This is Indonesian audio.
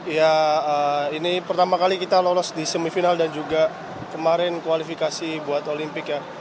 ya ini pertama kali kita lolos di semifinal dan juga kemarin kualifikasi buat olimpik ya